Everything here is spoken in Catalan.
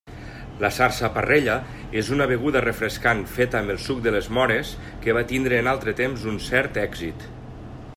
La sarsaparrella és una beguda refrescant feta amb el suc de les móres que va tindre en altre temps un cert èxit.